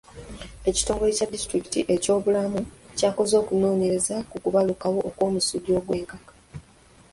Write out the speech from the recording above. Ekitongole kya disitulikiti eky'ebyobulamu kyakoze okunoonyereza ku kubalukawo kw'omusujja gw'enkaka.